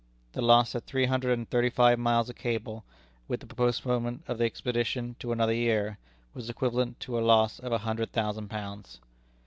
The loss of three hundred and thirty five miles of cable, with the postponement of the expedition to another year, was equivalent to a loss of a hundred thousand pounds.